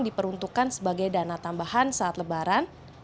dapat peruntukan sebagai dana tambahan saat lebaran